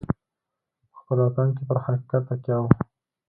په خپل وطن کې پر حقیقت تکیه کوو.